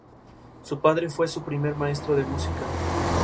Su padre fue su primer maestro de música.